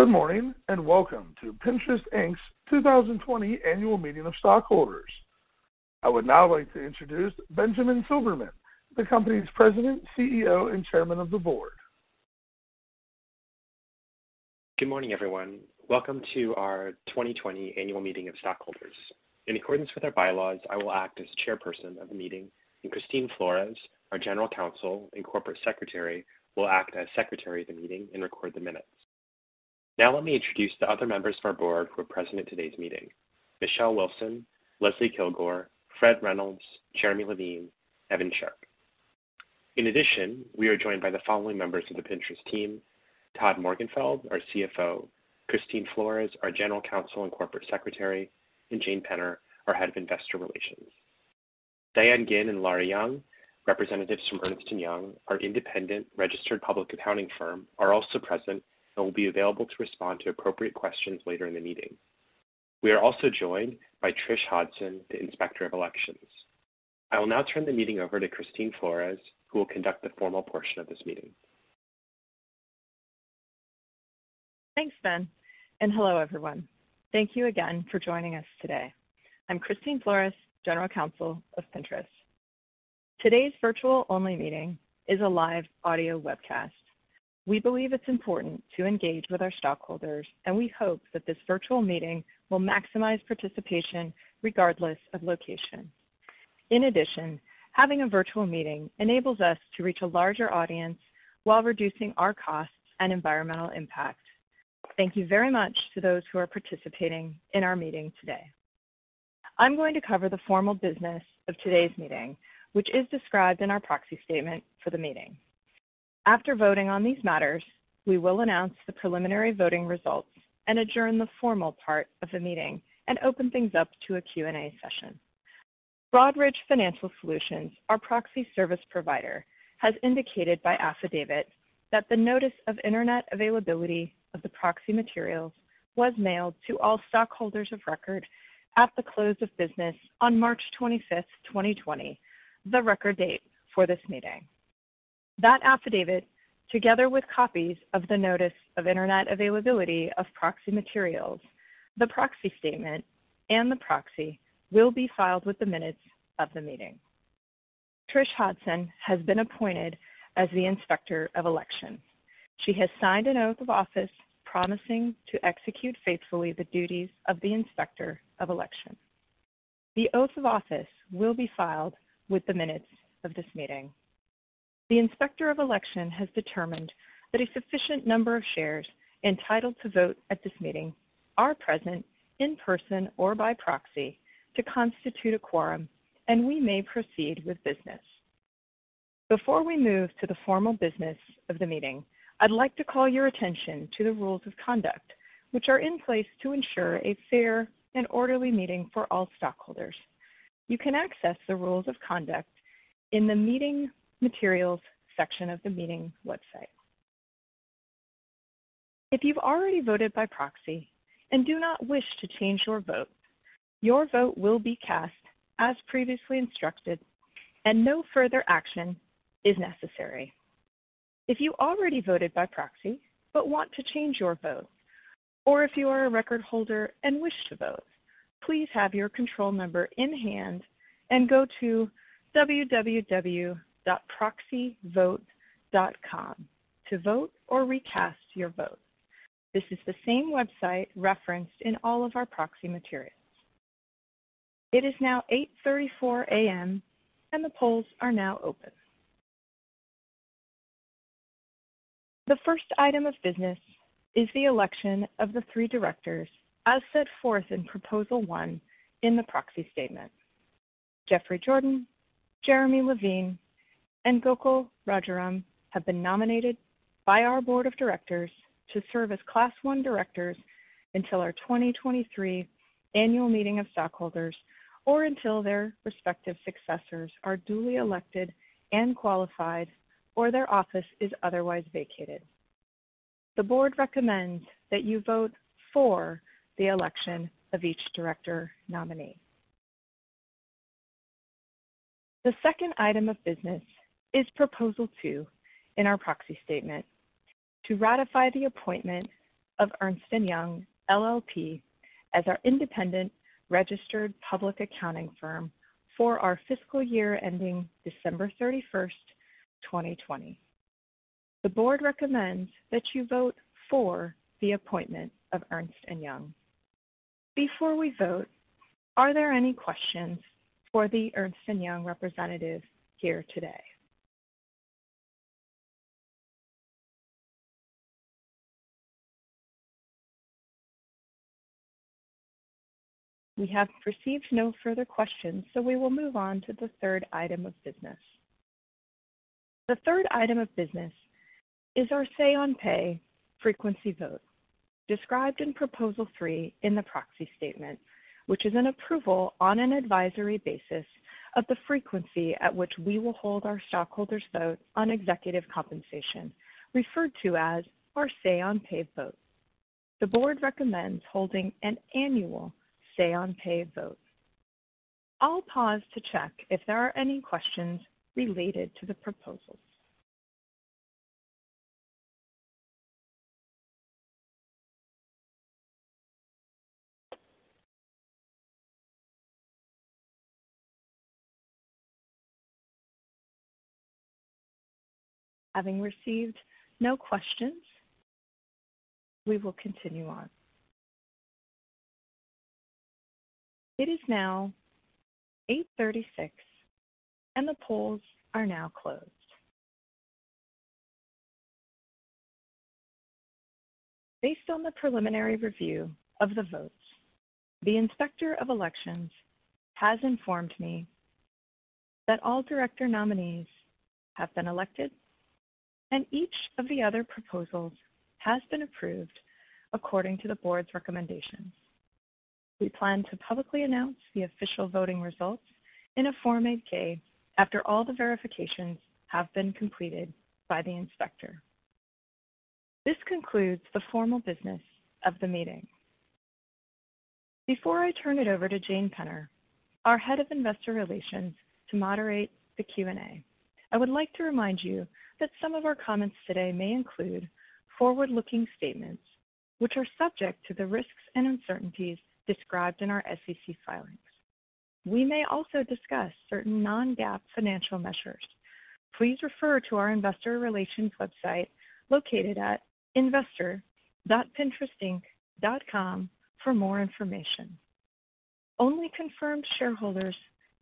Good morning, welcome to Pinterest Inc.'s 2020 annual meeting of stockholders. I would now like to introduce Benjamin Silbermann, the company's President, CEO, and Chairman of the Board. Good morning, everyone. Welcome to our 2020 annual meeting of stockholders. In accordance with our bylaws, I will act as chairperson of the meeting, and Christine Flores, our General Counsel and Corporate Secretary, will act as Secretary of the meeting and record the minutes. Now let me introduce the other members of our board who are present at today's meeting: Michelle Wilson, Leslie Kilgore, Fredric Reynolds, Jeremy Levine, Evan Sharp. In addition, we are joined by the following members of the Pinterest team: Todd Morgenfeld, our CFO, Christine Flores, our General Counsel and Corporate Secretary, and Jane Penner, our Head of Investor Relations. Diane Ginn and Laura Young, representatives from Ernst & Young, our independent registered public accounting firm, are also present and will be available to respond to appropriate questions later in the meeting. We are also joined by Trish Hodgson, the Inspector of Elections. I will now turn the meeting over to Christine Flores, who will conduct the formal portion of this meeting. Thanks, Ben. Hello, everyone. Thank you again for joining us today. I'm Christine Flores, General Counsel of Pinterest. Today's virtual-only meeting is a live audio webcast. We believe it's important to engage with our stockholders, and we hope that this virtual meeting will maximize participation regardless of location. In addition, having a virtual meeting enables us to reach a larger audience while reducing our costs and environmental impact. Thank you very much to those who are participating in our meeting today. I'm going to cover the formal business of today's meeting, which is described in our proxy statement for the meeting. After voting on these matters, we will announce the preliminary voting results and adjourn the formal part of the meeting and open things up to a Q&A session. Broadridge Financial Solutions, our proxy service provider, has indicated by affidavit that the notice of Internet availability of the proxy materials was mailed to all stockholders of record at the close of business on March 25th, 2020, the record date for this meeting. That affidavit, together with copies of the notice of Internet availability of proxy materials, the proxy statement, and the proxy, will be filed with the minutes of the meeting. Trish Hodgson has been appointed as the Inspector of Elections. She has signed an oath of office promising to execute faithfully the duties of the Inspector of Elections. The oath of office will be filed with the minutes of this meeting. The Inspector of Elections has determined that a sufficient number of shares entitled to vote at this meeting are present in person or by proxy to constitute a quorum, and we may proceed with business. Before we move to the formal business of the meeting, I'd like to call your attention to the rules of conduct, which are in place to ensure a fair and orderly meeting for all stockholders. You can access the rules of conduct in the Meeting Materials section of the meeting website. If you've already voted by proxy and do not wish to change your vote, your vote will be cast as previously instructed and no further action is necessary. If you already voted by proxy but want to change your vote, or if you are a record holder and wish to vote, please have your control number in hand and go to www.proxyvote.com to vote or recast your vote. This is the same website referenced in all of our proxy materials. It is now 8:34 A.M., and the polls are now open. The first item of business is the election of the three directors as set forth in Proposal 1 in the proxy statement. Jeffrey Jordan, Jeremy Levine, and Gokul Rajaram have been nominated by our board of directors to serve as Class I directors until our 2023 annual meeting of stockholders or until their respective successors are duly elected and qualified or their office is otherwise vacated. The board recommends that you vote for the election of each director nominee. The second item of business is Proposal 2 in our proxy statement to ratify the appointment of Ernst & Young LLP as our independent registered public accounting firm for our fiscal year ending December 31st, 2020. The board recommends that you vote for the appointment of Ernst & Young. Before we vote, are there any questions for the Ernst & Young representative here today? We have received no further questions. We will move on to the third item of business. The third item of business is our Say-on-Pay frequency vote described in Proposal 3 in the proxy statement, which is an approval on an advisory basis of the frequency at which we will hold our stockholders' vote on executive compensation, referred to as our Say-on-Pay vote. The board recommends holding an annual Say-on-Pay vote. I'll pause to check if there are any questions related to the proposals. Having received no questions, we will continue on. It is now 8:36 A.M. The polls are now closed. Based on the preliminary review of the votes, the Inspector of Elections has informed me that all director nominees have been elected. Each of the other proposals has been approved according to the board's recommendations. We plan to publicly announce the official voting results in a Form 8-K after all the verifications have been completed by the inspector. This concludes the formal business of the meeting. Before I turn it over to Jane Penner, our Head of Investor Relations, to moderate the Q&A, I would like to remind you that some of our comments today may include forward-looking statements, which are subject to the risks and uncertainties described in our SEC filings. We may also discuss certain non-GAAP financial measures. Please refer to our investor relations website located at investor.pinterestinc.com for more information. Only confirmed shareholders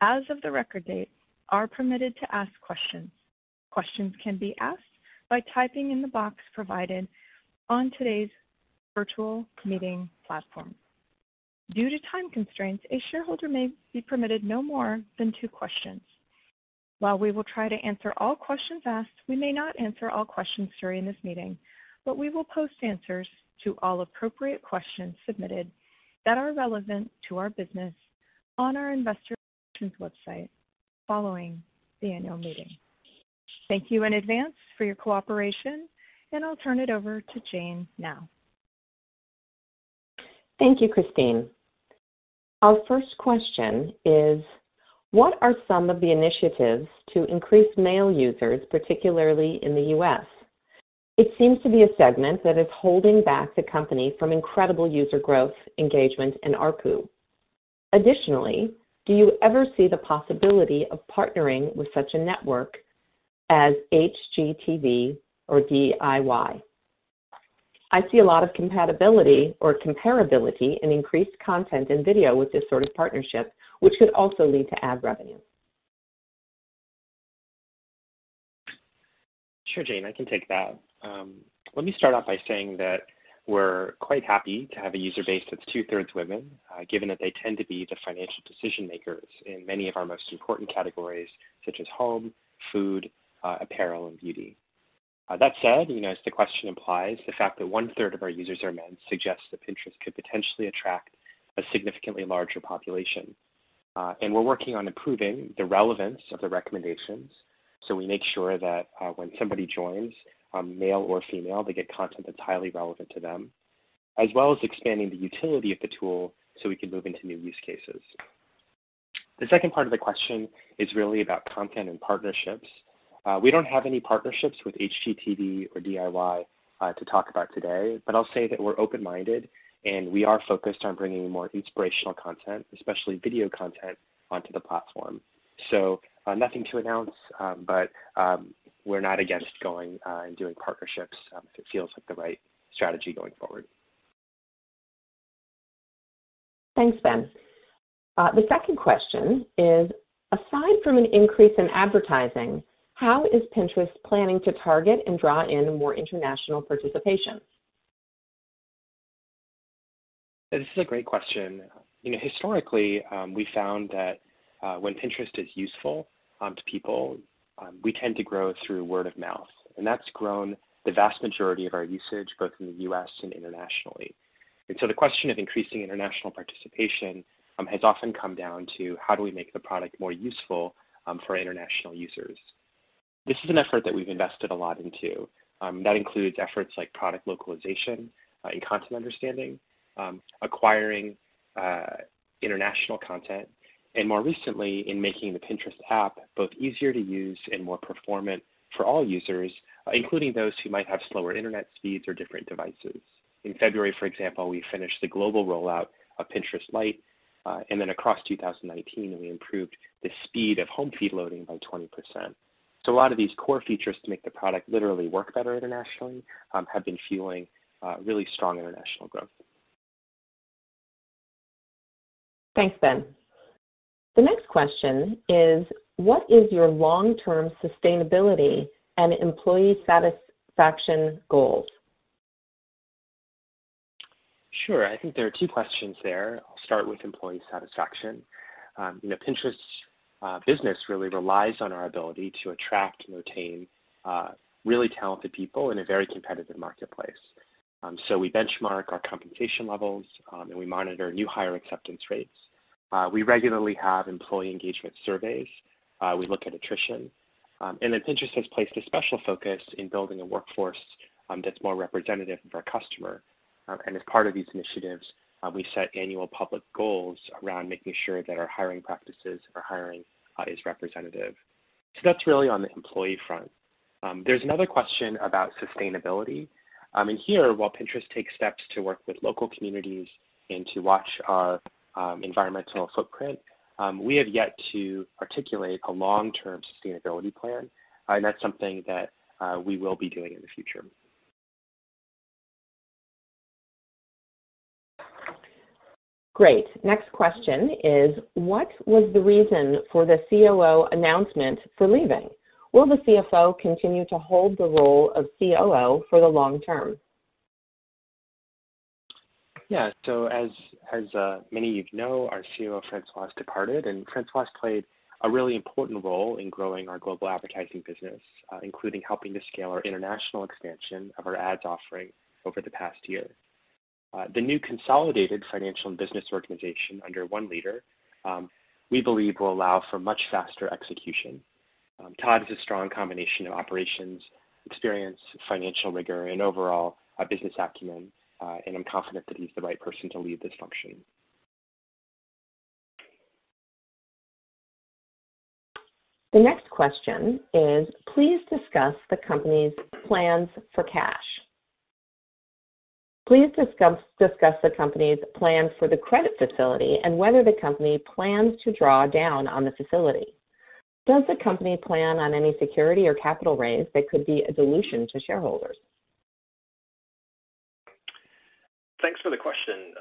as of the record date are permitted to ask questions. Questions can be asked by typing in the box provided on today's virtual committee platform. Due to time constraints, a shareholder may be permitted no more than two questions. While we will try to answer all questions asked, we may not answer all questions during this meeting, but we will post answers to all appropriate questions submitted that are relevant to our business on our investor relations website following the annual meeting. Thank you in advance for your cooperation, and I'll turn it over to Jane now. Thank you, Christine. Our first question is: What are some of the initiatives to increase male users, particularly in the U.S.? It seems to be a segment that is holding back the company from incredible user growth, engagement, and ARPU. Do you ever see the possibility of partnering with such a network as HGTV or DIY? I see a lot of compatibility or comparability in increased content and video with this sort of partnership, which could also lead to ad revenue. Sure, Jane, I can take that. Let me start off by saying that we're quite happy to have a user base that's two-thirds women, given that they tend to be the financial decision-makers in many of our most important categories, such as home, food, apparel, and beauty. That said, as the question implies, the fact that one-third of our users are men suggests that Pinterest could potentially attract a significantly larger population. We're working on improving the relevance of the recommendations so we make sure that when somebody joins, male or female, they get content that's highly relevant to them, as well as expanding the utility of the tool so we can move into new use cases. The second part of the question is really about content and partnerships. We don't have any partnerships with HGTV or DIY to talk about today, but I'll say that we're open-minded, and we are focused on bringing more inspirational content, especially video content, onto the platform. Nothing to announce, but we're not against going and doing partnerships if it feels like the right strategy going forward. Thanks, Benjamin. The second question is: Aside from an increase in advertising, how is Pinterest planning to target and draw in more international participation? This is a great question. Historically, we found that when Pinterest is useful to people, we tend to grow through word of mouth, and that's grown the vast majority of our usage, both in the U.S. and internationally. The question of increasing international participation has often come down to how do we make the product more useful for international users? This is an effort that we've invested a lot into. That includes efforts like product localization and content understanding, acquiring international content, and more recently, in making the Pinterest app both easier to use and more performant for all users, including those who might have slower internet speeds or different devices. In February, for example, we finished the global rollout of Pinterest Lite, across 2019, we improved the speed of home feed loading by 20%. A lot of these core features to make the product literally work better internationally have been fueling really strong international growth. Thanks, Benjamin. The next question is: What is your long-term sustainability and employee satisfaction goals? Sure. I think there are two questions there. I'll start with employee satisfaction. Pinterest business really relies on our ability to attract and retain really talented people in a very competitive marketplace. We benchmark our compensation levels, and we monitor new hire acceptance rates. We regularly have employee engagement surveys. We look at attrition. At Pinterest, has placed a special focus in building a workforce that's more representative of our customer. As part of these initiatives, we set annual public goals around making sure that our hiring practices are hiring is representative. That's really on the employee front. There's another question about sustainability. Here, while Pinterest takes steps to work with local communities and to watch our environmental footprint, we have yet to articulate a long-term sustainability plan. That's something that we will be doing in the future. Great. Next question is, what was the reason for the COO announcement for leaving? Will the CFO continue to hold the role of COO for the long term? As many of you know, our COO, Françoise, departed, and Françoise played a really important role in growing our global advertising business, including helping to scale our international expansion of our ads offering over the past year. The new consolidated financial and business organization under one leader, we believe will allow for much faster execution. Todd is a strong combination of operations experience, financial rigor, and overall business acumen, and I'm confident that he's the right person to lead this function. The next question is, please discuss the company's plans for cash. Please discuss the company's plan for the credit facility and whether the company plans to draw down on the facility. Does the company plan on any security or capital raise that could be a dilution to shareholders? Thanks for the question.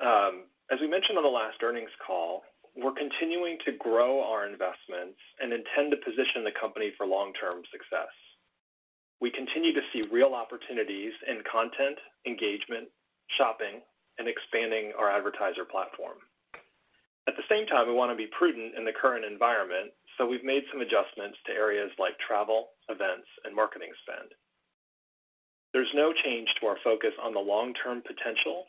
As we mentioned on the last earnings call, we're continuing to grow our investments and intend to position the company for long-term success. We continue to see real opportunities in content, engagement, shopping, and expanding our advertiser platform. At the same time, we want to be prudent in the current environment, so we've made some adjustments to areas like travel, events, and marketing spend. There's no change to our focus on the long-term potential,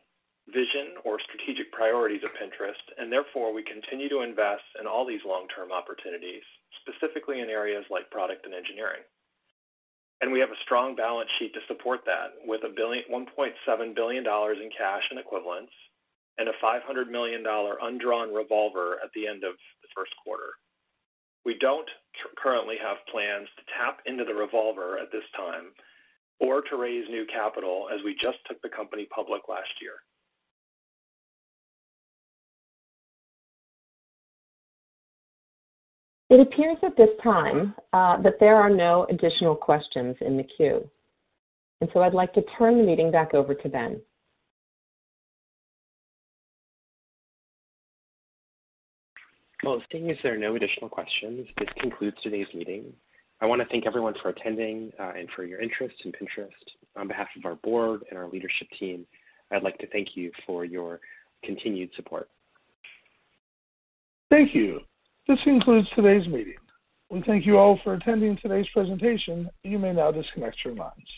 vision, or strategic priorities of Pinterest. Therefore, we continue to invest in all these long-term opportunities, specifically in areas like product and engineering. We have a strong balance sheet to support that with $1.7 billion in cash and equivalents and a $500 million undrawn revolver at the end of the first quarter. We don't currently have plans to tap into the revolver at this time or to raise new capital, as we just took the company public last year. It appears at this time that there are no additional questions in the queue. I'd like to turn the meeting back over to Benjamin. Well, seeing as there are no additional questions, this concludes today's meeting. I want to thank everyone for attending and for your interest in Pinterest. On behalf of our board and our leadership team, I'd like to thank you for your continued support. Thank you. This concludes today's meeting. We thank you all for attending today's presentation. You may now disconnect your lines.